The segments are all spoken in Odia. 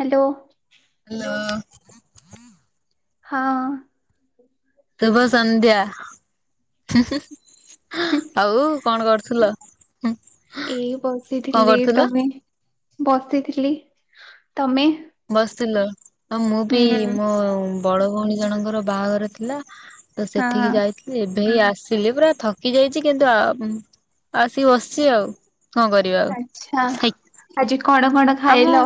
ହ୍ୟାଲୋ ହ୍ୟାଲୋ ହଁ। ଶୁଭ ସନ୍ଧ୍ୟା ଆଉ। କଣ କରୁଥିଲ? ଏଇ କଣ ବସିଥିଲି କରୁଥିଲ ତମେ ବସିଥିଲି। ତମେ? ବସିଥିଲ ଆଉ ମୁଁ ବି ହୁଁ ମୋ ବଡ ଭଉଣୀ ଜଣଙ୍କର ବାହାଘର ଥିଲା ତ ହଁ ସେଠିକି ଯାଇ ଏବେ ହି ଆସିଲି ପୁରା ଥକି ଯାଇଛି କିନ୍ତୁ ଆସିକି ବସିଛି ଆଉ। କ କରିବା ଆଚ୍ଛା ଆଉ ଆଜି କଣ କଣ ଆମ ଖାଇଲ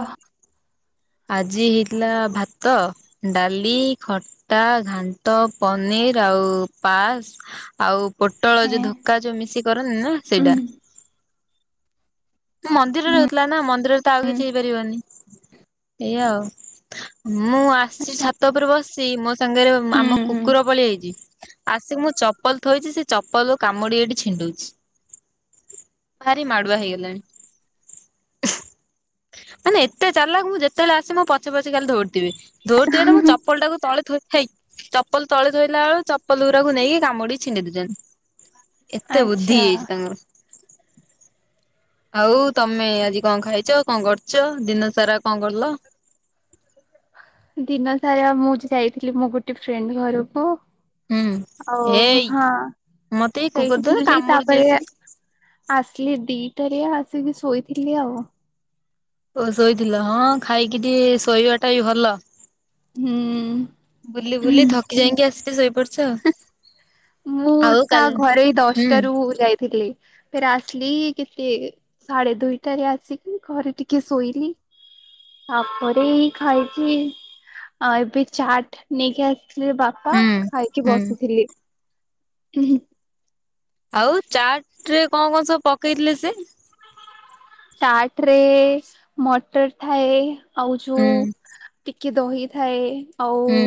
ଆଜି ହେଇଥିଲା ଭାତ ଡାଲି ଖଟା ଘାଣ୍ଟ ପନିର ଆଉ ପାସ୍ ଆଉ ପୋଟଳ ଯୋଉ ହେଁ ଧକ୍କା ଯୋଉ ମିଶି କରନ୍ତି ନା ଉଁ ସେଇଟା। ତୁ ମନ୍ଦିରରେ ହୁଁ ରଉଥିଲା ନା ମନ୍ଦିରରେ ତ ଆଉ ହୁଁ କିଛି ହେଇପାରିବନି। ଏଇଆା ଆଉ ମୁଁ ଆସିଛି ଆଚ୍ଛା ଛାତ ଉପରେ ବସ ସି ମୋ ସାଙ୍ଗରେ ଆମ ହୁଁ ହୁଁ କୁକୁର ପଳିଆଇଚି। ଆସିକି ମୁଁ ଚପଲ ଥୋଇଛି ସେ ଚପଲ କାମୁଡି ଏଠି ଛିଣ୍ଡୁଛି। ଭାରି ମାଡୁଆ ହେଇଗଲାଣି। ମାନେ ଏତେ ଚାଲାଗ୍ ଯେ ତାହେଲେ ଆସ ମୁଁ ପଛେ ପଛେ କାଲି ଧରିଥିବେ ଧରୁଥିବେ ତ ମୁଁ ଚପଲ ଟାକୁ ତଳେ ଥୋଇଥାଇ ହେଇ ଚପଲ ତଳେ ଥୋଇଲା ବେଳେକୁ ଚପଲ ଗୁଡାକୁ ନେଇକି କାମୁଡି ଛିଣ୍ଡେଇଦଉଛନ୍ତି। ଏତେ ବୁଦ୍ଧି ଆଚ୍ଛା ହେଇଯାଇଛି ତାଙ୍କର। ଆଉ ତମେ ଆଜି କଣ ଖାଇଛ କଣ କରିଛ ଦିନ ସାରା କଣ କଲ? ଦିନ ସାରା ମୁଁ ଯାଇଥିଲି ମୁଁ ଗୋଟେ ଫ୍ରେଣ୍ଡ ଘରକୁ। ହୁଁ। ଆଉ ହେଇ ହଁ ମତେ ଏଇ କୁକୁର ସେଇଠି ତ ଥିଲି କାମୁଡୁଛି ତାପରେ ଆସିକି। ଆସିଲି ଦିଟାରେ ଆସିକି ଶୋଇଥିଲି ଆଉ ଓ ଶୋଇଥିଲ ହଁ ଖାଇକି ଟିକେ ଶୋଇବା ଟା ବି ଭଲ। ବୁଲି ହୁଁ ବୁଲି ଥକି ଯାଇକି ଆସିକି ଶୋଇପଡିଛ। ମୁଁ ଆଉ ତା କାଲି ଘରେ ଏଇ ହୁଁ ଦଶଟାରୁ ଯାଇଥିଲି। ଫେରେ ଆସିଲି କେତେ ସାଢ଼େ ଦୁଇ ଟାରେ ଆସି ଘରେ ଟିକେ ଶୋଇଲି। ତାପରେ ଖାଇକି ଆଉ ଏବେ ଚାଟ ନେଇକି ଆସିଥିଲେ ବାପା ହୁଁ। ଖାଇକି ହୁଁ ବସିଥିଲି। ହୁଁ ହୁଁ। ଆଉ ଚାଟ୍ ରେ କଣ କଣ ସବୁ ପକେଇଥିଲେ ସେ? ଚାଟ୍ ରେ ମଟର ଥାଏ ଆଉ ହୁଁ ଯୋଉ ଟିକେ ଦହିଥାଏ ଆଉ ହୁଁ।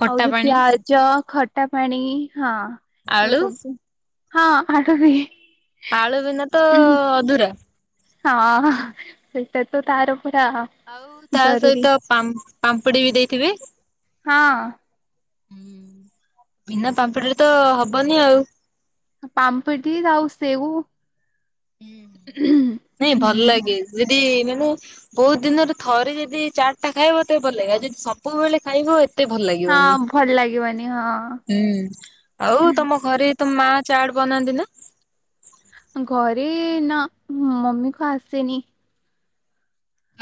ଖଟା ଆଉ ଯୋଉ ପାଣି ପ୍ୟାଜ୍ ଜ ଖଟା ପାଣି ହଁ ଆଳୁ ଏସବୁ ହଁ ଖଟାପାଣି। ଆଳୁ ବିନା ତ ଅଧୁରା। ହଁ ସେଟା ତ ତାର ପୁରା ଆଉ ତା ଜରୁରୀ ସହିତ ପାମ୍ ପାମ୍ପୁଡିବି ଦେଇଥିବେ। ହଁ। ବିନା ପାମ୍ପଡିରେ ତ ହବନି ଆଉ। ପାମ୍ପଡି ଆଉ ସେଉ। ହୁଁ ନାଇଁ ଭଲ ଲାଗେ ଯଦି ମୁଁ ବହୁତ ଦିନରେ ଥରେ ଯଦି ଚାଟ୍ ଟା ଖାଇବ ତେବେ ଭଲ ଲାଗେ ଆଉ ଯଦି ସବୁବେଳେ ଖାଇବ ମତେ ଭଲ ଲାଗିବନି ହଁ ଭଲ ଲାଗିବନି ହଁ। ହୁଁ ଆଉ ତମ ଘରେ ତମ ମା ଚାଟ ବନାନ୍ତିନା। ଘରେ ନା ମମିକୁ ଆସେନି।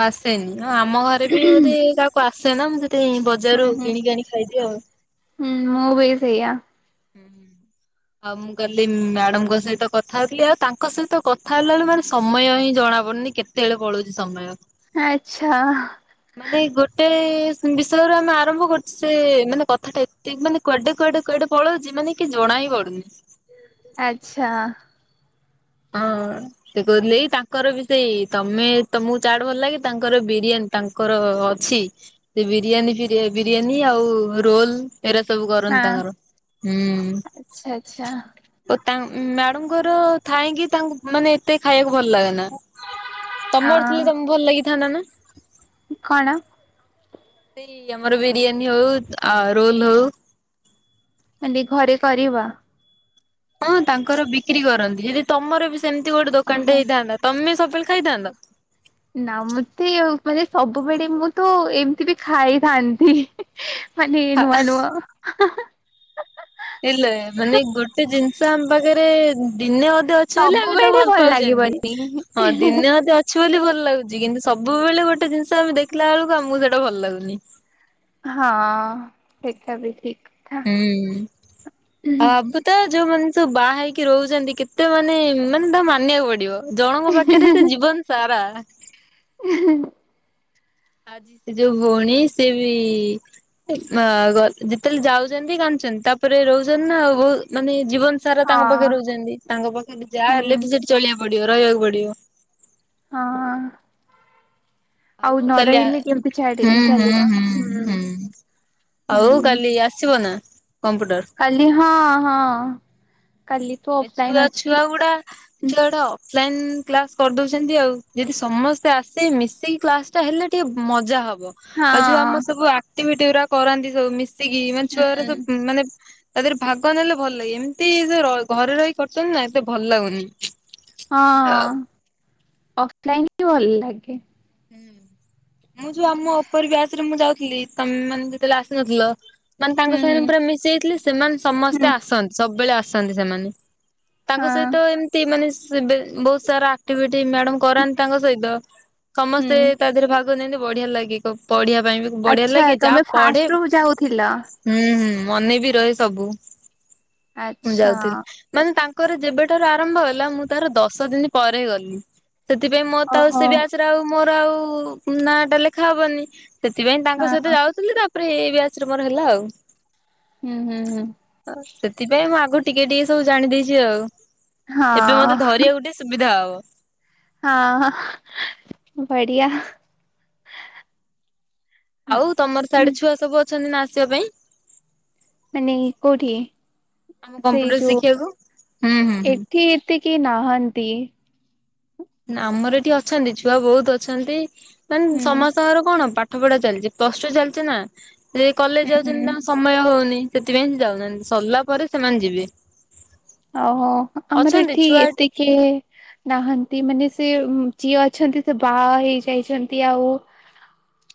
ଆସେନି ଆମ ଘରେ ବି ବୋଧେ ହୁଁ କାହାକୁ ଆସେନା ମୁଁ ସେଥିପାଇଁ ବଜାରୁ ହୁଁ କିଣିକି ଆଣି ଖାଇଦିଏ ଆଉ। ହୁଁ ମୁଁ ବି ସେଇଆ। ହୁଁ। ଆଉ ମୁଁ କାଲି ମ୍ୟାଡମଙ୍କ ସହିତ କଥା ହେଉଥିଲି ଆଉ ତାଙ୍କ ସହିତ କଥା ହେଲା ବେଳେ ମାନେ ସମୟ ହିଁ ଜଣା ପଡୁନି। କେତେବେଳେ ପଳଉଛି ସମୟ। ଆଚ୍ଛା। ମାନ ଗୋଟେ ବିଷୟରୁ ଆମେ ଆରମ୍ଭ କରୁଛୁ ସେ ମାନେ କଥାଟା ଏତେ ମାନେ କୁଆଡେ କୁଆଡେ କୁଆଡେ ପଳଉଛି ମାନେ କିଛି ଜଣାଇ ପଡୁନି। ଆଚ୍ଛା। ହଁ ସେ କହୁଥିଲେ ଏଇ ତାଙ୍କର ବି ସେଇ ତମେ ତମକୁ ଚାଟ ଭଲ ଲାଗେ ତାଙ୍କର ବିରିୟାନୀ ତାଙ୍କର ଅଛି ସେ ବିରିୟାନୀ ଫିରି ବିରିୟାନୀ ଆଉ ରୋଲ୍। ଏରା ସବୁ କରନ୍ତି ହଁ ତାଙ୍କର ଆଚ୍ଛା ଆଚ୍ଛା ହୁଁ। ଓ ତା ମ୍ୟାଡମଙ୍କର ଥାଇକି ତାଙ୍କୁ ମାନେ ଏତେ ଖାଇବାକୁ ଭଲ ଲାଗେନା। ତମର ଥିଲେ ହଁ ତମକୁ ଭଲ ଲାଗିଥାନ୍ତାନା। କଣ? ସେଇ ଆମର ବିରିୟାନୀ ହଉ ଆ ରୋଲ ହଉ। କାଲି ଘରେ କରିବା। ହଁ ତାଙ୍କର ବିକ୍ରି କରନ୍ତି ଯଦି ତମର ବି ସେମିତି ଗୋଟେ ଓହୋ। ଦୋକାନଟେ ହେଇଥାନ୍ତା ତମେ ସବୁବେଳେ ଖାଇଥାନ୍ତ? ନା ମତେ ମାନେ ସବୁବେଳେ ମୁଁ ତ ଏମିତି ବି ଖାଇଥାନ୍ତି। ମାନେ ନୂଆ ନୂଆ। ହେଲେ ମାନେ ଗୋଟେ ଜିନିଷ ଆମ ପାଖରେ ଦିନେ। ଅଛ ବୋଲି ଆମେ ତାକୁ ସବୁବେଳେ ଭଲ ପାଉଛନ୍ତି ଲାଗିବନି ହଁ ଦିନ ଅ। କିୁ ବୋଲି ଭଲ ଲାଗୁଛି କିନ୍ତୁ ସବୁବେଳେ ଗୋଟେ ଜିନିଷ ଆମେ ଦେଖିଲା ବେଳକୁ ଆମକୁ ସେଇଟା ଭଲ ଲାଗୁନି। ହଁ ସେଟା ବି ଠିକ। କଥା। ହୁଁ ଆ। ତ ଯୋଉ ମଣିଷ ବାହା ହେଇକି ରହୁଛନ୍ତି କେତେ ମାନେ ମାନେ ତାହା ମାନିବାକୁ ପଡିବ। ଜଣଙ୍କ ପାଖରେ ସେ ଜୀବନ ସାରା। ହ। ଆଜି ସେ ଯୋଉ ଭଉଣୀ ସେ ବି। ଯେତେବେଳେ ଯାଉଛନ୍ତି କାନ୍ଦଛନ୍ତି ତାପରେ ରହୁଛନ୍ତି ନା ଆଉ ମାନେ ଜୀବନ। ସାରା ତାଙ୍କ ପାଖରେ ହଁ ରହୁଛନ୍ତି ତାଙ୍କ ପାଖରେ ଯାହା ହେଲେ ହୁଁ ବି ସେଠି ଚଳିବାକୁ ପଡିବ ରହିବାକୁ ପଡିବ। ହଁ। ଆଉ ହଉ ନ ରହିଲେ କାଲି କେମିତି ଛାଡି ହୁଁ ଚାଲିବ ହୁଁ ହୁଁ ହୁଁ। ଆଉ ହୁଁ କାଲି ଆସିବ ନା କମ୍ପ୍ୟୁଟର। କାଲି ହଁ ହଁ। କାଲି ତ ଏ ଛୁଆ ଅଫଲାଇନ ଅଛି ଛୁଆ ଗୁଡା। ଛଆୁଟା ଅଫଲାଇନ କ୍ଲାସ କରିଦଉଛନ୍ତି ଆଉ ଯଦି ସମସ୍ତେ ଆସେ ମିଶିକି କ୍ଲାସ। ତା ହେଲେ ଟିକେ ମଜା ହବ। ହଁ ଆଉ ଯୋଉ ଆମର ସବୁ ଆକ୍ଟିଭିଟିା କରାନ୍ତି ସବୁ ମିଶିକି ମାନେ ଛୁଆର ହୁଁ ସବୁ ମାନେ। ତା ଦେହରେ ଭାଗ ନେଲେ ଭଲ ଲାଗେ ଏମିତି ଘରେ ରହି କଟୁନି ନା ଏତେ ଭଲ ଲାଗୁନି। ହଁ ଅଫଲାଇନ ବି ଭଲ ଲାଗେ। ହୁଁ। ମୁଁ ଯୋଉ ଆମ ଉପର ବ୍ୟାସ ରେ ମୁଁ ଯାଉଥିଲି ତମେ ମାନେ ଯେତେବେଳେ ଆସିନଥିଲ। ମାନେ ତାଙ୍କ ହୁଁ ସାଙ୍ଗରେ ହୁଁ ପୁରା ମିଶ ଯାଇଥିଲି ସେମାନେ ସମସ୍ତେ ହୁଁ ଆସନ୍ତି ସବୁବେଳେ ଆସନ୍ତି ସେମାନେ। ତାଙ୍କ ହଁ ସହିତ ଏମତି ମାନେ ବହୁତ ସାରା ଆକ୍ଟିଭିଟି ମ୍ୟାଡ କରାନ୍ତି ତାଙ୍କ ସହିତ। ସମସ୍ତେ ହୁଁ ତା ଦେହରେ ଭାଗ ନିଅନ୍ତି ବଢିଆ ଲାଗେ ପଢିଆ। ପାଇଁ ବଢିଆ ଆଚ୍ଛା ଲାଗେ ତମେ ଯାହା ପଢେ। ଫାଷ୍ଟ ରୁ ଯାଉଥିଲ ହୁଁ ହୁଁ ମନେ ବି ରହେ ସବୁ ମୁଁ ଆଚ୍ଛା ଯାଉଥିଲି। ମାନେ ତାଙ୍କର ଯେବେଠାରୁ ଆରମ୍ଭ ହେଲା ମୁଁ ତାର ଦଶ ଦିନ ପରେ ଗଲି। ସେଥିପାଇଁ ମୋ ତ ଆଉ ଓହୋ ସେ ବି ଆସରେ ଆଉ ମୋର ଆଉ ନାଁ ଟା ଲେଖା ହବନି। ସେଥିପାଇଁ ହଁ ତାଙ୍କ ହଁ ସହିତ ଯାଉଥିଲି ତାପରେ ଏଇ ବି ଆଶ୍ରମର ହେଲା ଆଉ। ହୁଁ ହୁଁ ହୁଁ। ହ ସେଥିପାଇଁ ମୁଁ ଆଗ ଟିକେ ଟିକେ ସବୁ ଜାଣି ଦେଇେଇଛି ଆଉ ଏବେ ହଁ ମତେ ଧରିବା ଗୋଟେ। ସୁବିଧା ଆବ। ହଁ ବଢିଆ। ଆଉ ତମର ସାଢଡେ ଛୁଆ ସବୁ ଅଛନ୍ତି ନା ଆସିବା ପାଇଁ। ମାନେ କୋଉଠି ଆମ ସେଇ କମ୍ପ୍ୟୁଟର ଯୋଉ ଶିଖିବାକୁ ହୁଁ ହୁଁ ହୁଁ। ଏଠି। ତିକି ନାହାନ୍ତି। ନା ଆମର ଏଠି ଅଛନ୍ତି ଛୁଆ ବହୁତ ଅଛନ୍ତି, ମାନେ ହୁଁ ସମସ୍ତଙ୍କର କଣ ପାଠ ପାଠ ପଢା ଚାଲିଚି ପ୍ଲଟୁ ଚାଲିଚି ନା ରେ ହୁଁ କଲେଜ ଯାଉଚନ୍ତି ହୁଁ। ତାଙ୍କ ସମ ସମୟ ହଉନି ସେଥିପାଇଁ ସେ ଯାଉନାହାଁନ୍ତି ସରିଲା ପରେ ସେମାନେ ଯିବେ। ଓହୋ ଆମର ଅଛନ୍ତି ଏଠି ଛୁଆ ଏତିକେ ନାହାନ୍ତି ମାନେ ସେ ଝିଅ ଅଛନ୍ତି, ସେ ବାହା ହେଇ ଯାଇଛନ୍ତି ଆଉ।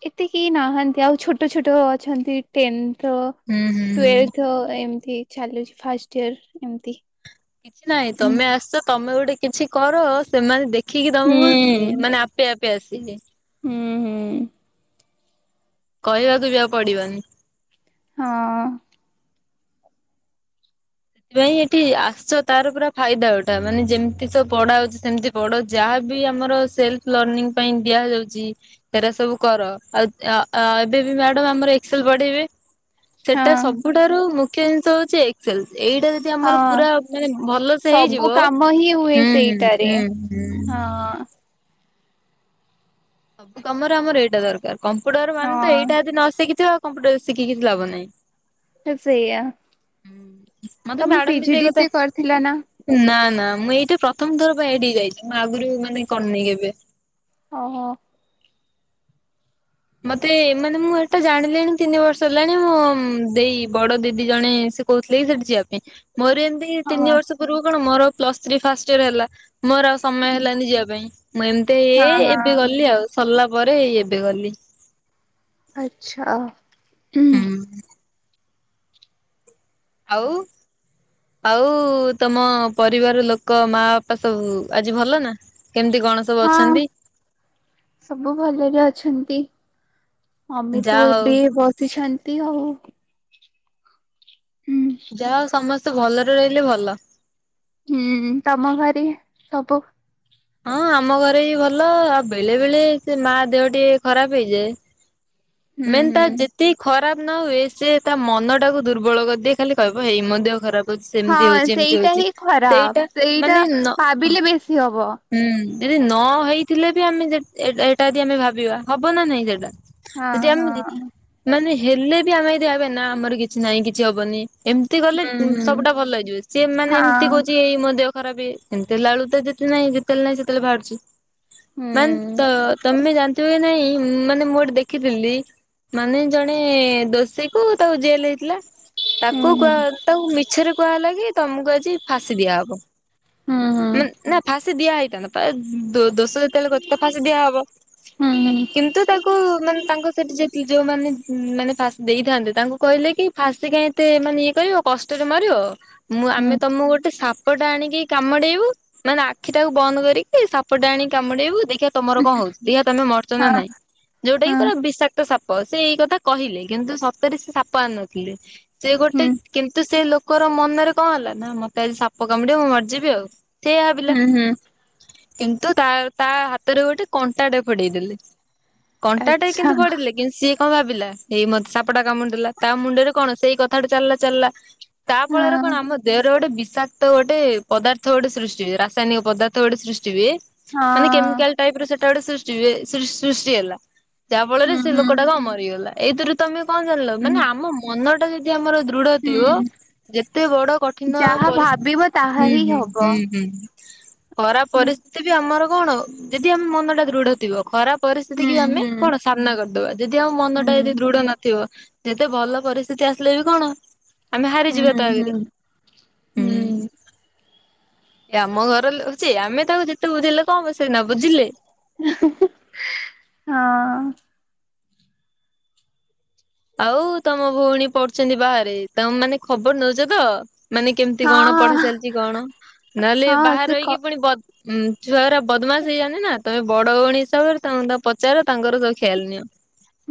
ଏତିକି ନାହାନ୍ତି ଆଉ ଛୋଟ ଛୋଟ ଅଛନ୍ତି। ଟେନ୍ଥ ହୁଁ ହୁଁ ହୁଁ ଟୁଏଲଥ ଏମତି ଚାଲୁଛି ଫାଷ୍ଟଇୟର ଏମତି କିଛି ନାହିଁ ତମେ ଆସ, ତମେ ଗୋଟେ କିଛି କର ସେମାନେ ଦେଖିକି ତମକୁ ମାନେ ଆପ୍ ପିଆ ପିଆ ସିଏ। ହୁଁ ହୁଁ। କହିବାକୁ ବି ଆଉ ପଡିବନି। ହଁ। ସେଥିପାଇଁ ଏଠି ଆସିଚ ତାର ପୁରା ଫାଇଦା ଉଠା, ମାନେ ଯେମିତି ସବୁ ପଢା ହାଉଛି ସେମିତି। ପଢ଼, ଯାହା ବି ଆମର ସେଲ୍ଫ ଲର୍ନିଙ୍ଗ ପାଇଁ ଦିଆ ଯାଉଛି ସେରା ସବୁ କର ଆଉ ଏବେ ବି ମ୍ୟାଡ଼ାମ ଆମର ଏକ୍ସେଲ ପଢେଇବେ ସେଟା ସବୁଠାରୁ ମୁଖ୍ୟ ଜିନିଷ ହଉଛି ଏକ୍ସେଲ ଏଇଟା ତି ହଁ ଆମର ପୁରା ମାନେ ଭଲ ସେ ସବୁ ହେଇଯିବ, କାମ ହିଁ ହୁଏ ହୁଁ ହୁଁ ସେଇଟାରେ। ହୁଁ। ହଁ ତମର ଆମର ଏଇଟା ଦରକାର କମ୍ପୁଟର ମାନେ ତ ଏଇଟା ହଁ ଯଦି ନ ଶିଖିଥିବା କମ୍ପ୍ୟୁଟର ଶିଖିକି କିଛି ଲାଭ ନାହିଁ। ସେଇଆ ମତେ ତମେ ମ୍ୟାଡାମ ବି ପିଜି ସେଇ କଥା ଡିସି କରିଥିଲ ନା- ନା ନା ମୁଁ ଏଇଟା ପ୍ରଥମ ଥର ପାଇଁ ଏଠି ଯାଇଛି ମୁଁ ଆଗରୁ ମାନେ କରିନି କେବେ। ଓହୋ। ମତେ ମାନେ ମୁଁ ଏଟା ଜାଣିଲିଣି ତିନି ବର୍ଷ ହେଲାଣି, ମୋ ଦେଇ ବଡ ଦିଦି ଜଣେ ସେ- କହୁଥିଲେ କି ସେଠି ଯିବା ପାଇଁ ମୋର ଏମିତି ତିନି ହଁ ବର୍ଷ ପୂର୍ବରୁ କଣ ମୋର ପ୍ଲସ ଥ୍ରୀ ଫାଷ୍ଟ ଇୟର ହେଲା। ମୋର ଆଉ ସମୟ ହୁଁ ହେଲାନି ଯିବା ପାଇଁ ମୁଁ ଏମିତି ହଁ ହେ ଏବେ ହଁ ଗଲି ଆଉ। ସରିଲା ପରେ ଏଇ ଏବେ ଗଲି। ଆଚ୍ଛା। ହୁଁ। ଆଉ, ଆଉ ତମ ପରିବାର ଲୋକ ମା- ତ ସବୁ ଆଜି ଭଲ ନା କେମତି କଣ ସବୁ ହଁ ଅଛନ୍ତି? ସବୁ ଭଲରେ ଅଛନ୍ତି ମମି ତୁ ଯାହା ହଉ ଏବେ ବସିଛନ୍ତି ଆଉ। ହୁଁ ଯାହା ହଉ, ସମସ୍ତେ ଭଲରେ ରହିଲେ ଭଲ। ହୁଁ, ତମ ଘରେ ସବୁ ହଁ ଆମ ଘରେ ବି ଭଲ ଆଉ, ବେଳେ ବେଳେ ସେ ମା ଦେହ ଟିକେ ଖରାପ ହେଇଯାଏ। ହୁଁ ମେନ୍ ତା ହୁଁ ଯେତ୍ ତେ ଖରାପ ନ ହୁଏ ସେ ତା ମନ ଟାକୁ ଦୁର୍ବଳ କରିଦିଏ ଖାଲି କହିବ ହେଇ ମୋ ଦେହ ଖରାପ। ହଉଛି ସେମିତି ହଁ ହଉଛି ଏମିତି ସେଇଟା ହଉଛି ହିଁ ଖରାପ, ସେଇଟା ମାନେ ସେଇଟା ନ ଭାବିଲେ ବେଶୀ ହବ। ହୁଁ ଯଦି ନ ହେଇଥିଲେ ବି ଆମେ ଏଟା ଯି ଆମେ ଭାବିବା ହବ ନା ନାଇଁ ସେଟା। ହଁ ଯଦି ହଁ ଆମେ ମାନେ ହେଲେ ବି ଆମେ ଏଦି ଆବେ ନା ଆମର କିଛି ନାହିଁ କିଛି ହବନି। ଏମିତି ଗଲେ ହୁଁ ହୁଁ ସବୁଟା ଭଲ ହେଇଯିବେ ସିଏ ମାନେ ଏମିତି ହଁ କହୁଛି ଏଇ ମୋ ଦେହ ଖରାପ ବି ସେମିତି ହେଲା ବେଳକୁ ତ ଯେ ନାଇଁ ଯେତେବେଳେ ନାଇଁ ସେତେବେଳେ ବାହାରୁଛି? ହୁଁ। ତ ତମେ ଜାଣିଥିବ କି ନାଇଁ ମାନେ ମୁଁ ଗୋଟେ ଦେଖିଥିଲି। ମାନେ ଜଣେ ଦୋଷୀ କୁ ତାକୁ ଜେଲ ହେଇଥିଲା। ହୁଁ ତାକୁ କୁହା ତାକୁ ମିଛରେ କୁହା ହେଲା କି ତମକୁ ଆଜି ଫାଶୀ ଦିଆହବ। ହୁଁ ହୁଁ। ନା ଫାସି ଦିଆ ହେଇଥାନ୍ତା ତା ଦୋଷ ଯେତେବେଳେ କରିଛି ତାକୁ ଫାଶୀ ଦିଆ ହବ। ହୁଁ ହୁଁ ହୁଁ କିନ୍ତୁ ତାଙ୍କୁ ମାନେ ତାଙ୍କ ସେଠି ଯେତିକି ଯୋଉମାନେ ମାନେ ଫାସି ଦେଇଥାନ୍ତେ ତାଙ୍କୁ କହିଲେ କି ଫାଶୀ କାଇଁ ମତେ ମାନେ ଇଏ କରିବ କଷ୍ଟରେ ମାରିବ ମୁଁ ହୁଁ ହୁଁ ଆମେ ତମକୁ ଗୋଟେ ସାପଟା ଆଣିକି କାମୁଡେଇବୁ। ମାନେ ଆଖି ଟାକୁ ବନ୍ଦ କରିକି ସାପଟା ଆଣିକି କାମୁଡେଇବୁ ଦେଖିିବା ତମର କଣ ହଉଛି ଦେଖିଆ ତମେ ମରୁଚ ନା ହଁ ନାଇଁ। ଯୋଉଟା କିି ହଁ ପୁରା ବିଷାକ୍ତ ସାପ। ସେ ଏଇ କଥା କହିଲେ। କିନ୍ତୁ ସତରେ ସେ ସାପ ଆଣିନଥିଲେ ସେ ଗୋଟେ ହୁଁ କିନ୍ତୁ ସେ ଲୋକର ମନରେ କଣ ହେଲା ନା ମତେ ଆଜି ସାପ କାମୁଡିବ ମୁଁ ମରିଯିବି ଆଉ। ସେଇଆ ଭାବିଲା। ହୁଁ ହୁଁ କିନ୍ତୁ ତା ତା ହାତରେ ଗୋଟେ କଣ୍ଟାଟେ ଫୋଡେଇ ଦେଲେ। କଣ୍ଟାଟାଏ ଆଚ୍ଛା କିନ୍ତୁ ଫୋଡିଲେ କିନ୍ତୁ ସିଏ କଣ ଭାବିଲା ଏଇ ମତେ ସାପଟା କାମୁଡି ଦେଲା ତା ମୁଣ୍ଡରେ କଣ ସେଇ କଥା। ଚାଲିଲା ଚାଲିଲା ତା ଫଳରେ କଣ ହଁ ଆମ ଦେହରେ ଗୋଟେ ବିଷାକ୍ତ ଗୋଟେ ପଦାର୍ଥ ଗୋଟେ ସୃଷ୍ଟି ରାସାୟନିକ ପଦାର୍ଥ ଗୋଟେ ସୃଷ୍ଟି ହୁଏ ମାନେ ହଁ କେମିକାଲ। ଟାଇପ୍ ର ସେଟା ଗୋଟେ ସୃଷ୍ଟି ହୁଏ, ସୃଷ୍ଟି ହେଲା। ଯାହା ଫଳରେ ହୁଁ ସେ ହୁଁ ଲୋକଟା କଣ ମରିଗଲା। ଏଇଥିରୁ ତମେ କଣ ଜାଣିଲ ହୁଁ ମାନେ ଆମ ମନ ଟା ଯଦି ଆମର ଦୃଢି ଥିବ ହୁଁ ଯେତେ ବଡ କଠିନ ଯାହା ପରିସ୍ଥିତି ଭାବିବ ତାହା ହୁଁ ହିଁ ହବ। ହୁଁ ହୁଁ। ହୁଁ, ଖରାପ ହୁଁ ପରିସ୍ଥିତି ବି ଆମର କଣ ଯଦି ଆମ ମନ ଟା ଦୃଢ ଥିବ ଖରାପ ପରିସ୍ଥିତି କି ଆମେ ହୁଁ କଣ ସାମ୍ନା କରିଦବା। ଯଦି ଆମ ମନ ହୁଁ ଟା ହୁଁ ଯଦି ଦୃଢ ନଥିବ। ଯେତେ ଭଲ ପରିସ୍ଥିତି ଆସିଲେ ବି କଣ ଆମେ ହାରିଯିବା ହୁଁ ତା ହୁଁ ଆଗରେ। ହୁଁ। ସେ ଆମ ଘର ରହୁଛି ଆମେ ତାକୁ ଯେତେ ବୁଝେଇଲେ କଣ ହବ ସେନା ବୁଝିଲେ। ହଁ। ଆଉ ତମ ଭଉଣୀ ପଢୁଛନ୍ତି ବାହାରେ। ତମେ ମାନେ ଖବର ନଉଛ ତ? ମାନେ କେମିତି ହଁ କଣ ପଢା ହଁ ଚାଲିଛି କଣ? ନହେଲେ ହଁ ସେ ବାହାରେ କ ରହିକି ପୁଣି ବଦ ହୁଁ, ଛୁଆଗୁରା ବଦମାସ ହେଇଯାନ୍ତି ନା ତମେ ବଡଭଉଣୀ ହିସାବରେ ତ ତାଙ୍କୁ ପଚାର, ତାଙ୍କର ସବୁ ଖିଆଲ ନିଅ।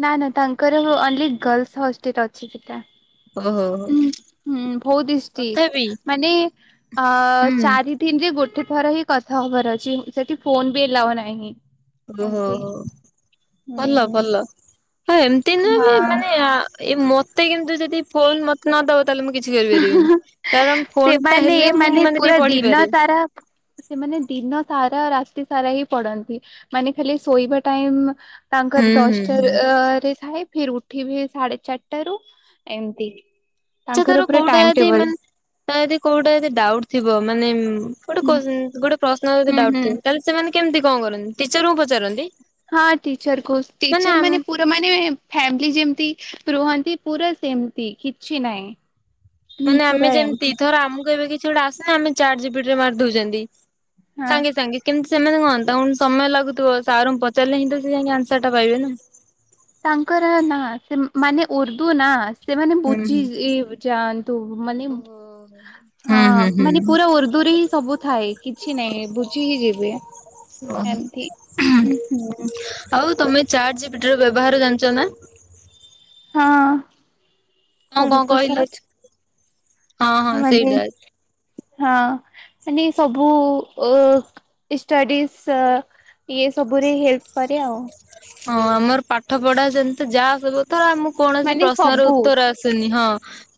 ନା ନା, ତାଙ୍କର ଓନ୍ଲି ଗର୍ଲସ ହଷ୍ଟେଲ ଅଛି ସେଟା। ଓହୋ ହୁଁ ବହୁତ ହିଁ ଷ୍ଟ୍ରିଟ୍। ତଥାପି ମାନେ ଅ ହୁଁ ଚାରି ଗୋଟେ ଥର ହିଁ କଥା ହେବାର ଅଛି ସେଠି ଫୋନ ବି ଏଲାଓ ନାହିଁ। ଓହୋ, ଏମତି ଭଲ ହୁଁ ଭଲ। ହଁ ଏମିତି ନୁହେଁ ବି ମାନେ ହଁ। ଏ ମତେ କିନ୍ତୁ ଯଦି ଫୋନ୍ ମତେ ନଦବ ତାହେଲେ ମୁଁ କିଛି କରିପାରିବିନି। କାରଣ ଫୋନ ଟା ସେମାନେ ହେଲେ ମୁଁ ଏମାନେ ମାନେ ପୁରା ଟିକେ ଦିନ ପଢିପାରେ। ସାରା ସେମାନେ ଦିନ ସାରା ରାତି ସାରା ହିଁ ପଢ଼ନ୍ତି। ମାନେ ଖାଲି ଶୋଇବା ଟାଇମ୍ ହୁଁ ତାଙ୍କର ହୁଁ ହୁଁ। ଦଶଟାରେ ଥାଏ। ଫିର୍ ଉଠିବେ ସାଢେ ଚାରିଟାରୁ ଏମିତି। ଆଚ୍ଛା, ତାଙ୍କର ତାର ପୁରା କୋଉଟା ଟାଇମ ଯଦି ଟେବଲ ମାନେ ଯଦି କୋଉଟା ଯଦି ଡାଉଟ୍ ଥିବ ମାନେ ଗୋଟେ ହୁଁ କ୍ୱଶ୍ନ୍ ଗୋଟେ ପ୍ରଶ୍ନ ଯଦି ହୁଁ ଡାଉଟ୍ ହୁଁ ଥିବ ତାହେଲେ ସେମାନେ କେମିତି କଣ କରନ୍ତି ଟିଚରଙ୍କୁ ପଚାରନ୍ତି? ହଁ ଟିଚରକୁ। ଟିଚର ମାନେ ପୁ ମାନେ ଫ୍ୟାମିଲି ଯେମତି ରୁହନ୍ତି ପୁରା ସେମିତି କିଛି ନାହିଁ। ହୁଁ ମାନେ ଆମେ ପୁରା ଯେମିତି ଏମିତି ଧର ଆମକୁ ଏବେ କିଛି ଗୋଟେ ଆସେନା ଆମେ ଚାଟ୍ ଜିପିଟି ରେ ମାରି ଦଉଛନ୍ତି। ହଁ ସାଙ୍ଗେ ସାଙ୍ଗେ। କିନ୍ତୁ ସେମାନେ କଣ ତାଙ୍କୁ ସମୟ ଲାଗୁଥିବ ସାରଙ୍କୁ ପଚାରିଲେ ହିଁ ତ ସେ ଯାଇଁକି ଆନ୍ସର ଟା ପାଇବେ ନା। ତାଙ୍କର ନା ସେ ମାନେ ଉର୍ଦ୍ଦୁ ନା। ସେମାନେ ହୁଁ ବୁଝି ହୁଁ। ଯାଆନ୍ତୁ ମାନେ ଓହୋ। ହଁ ହୁଁ ହୁଁ ହୁଁ ମାନେ ପୁରା ଉର୍ଦ୍ଦୁ ରେ ହିଁ ସବୁ ଥାଏ କିଛି ନାଇଁ ବୁଝିି ଏମିତି ଉଁ ହୁଁ। ଆଉ ତମେ ଚାର୍ଟ ଜିପିଟି ର ବ୍ୟବହାର ଜାଣିଚ ନା? ହଁ। କଣ ସବୁ କଣ ତ କହିଲ? ହଁ ହଁ [unintelligible] ମାନେ ସେଇଟା ହଁ ମାନେ ସବୁ ଅ ଷ୍ଟଡିଜ୍ ଅ ଇଏ ସବୁରେ ହେଲ୍ପ କରେ ଆଉ। ହଁ ଆମର ପାଠପଢା ଯେମ୍ତି ଯାହାସବୁ ଥର ଆମକୁ କୌଣସି ମାନେ ପ୍ରଶ୍ନର ସବୁ ଉତ୍ତର ଆ ସୁନି ହଁ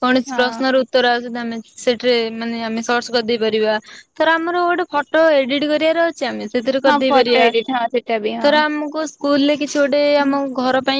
କୌଣସି ହଁ ପ୍ରଶ୍ନର ଉତ୍ତର ଆସୁନି ଆମେ ସେଠାରେ ମାନେ ଆମେ ସର୍ଚ କରିଦେଇ ପାରିବା। ତର ଆମର ଗୋଟେ ଫଟୋ ଏଡିଟ୍ କରିବାର ଅ ଛି ଆମେ ସେଥିରେ ହଁ କରିଦେଇ ଫଟୋ ପାରିବା ଏଡିଟ ହଁ ସେଟା ବି ତର ହଁ। ଆମକୁ ସ୍କୁଲରେ କିଛି ଗୋଟେ ଆମ ଘର ପାଇଁ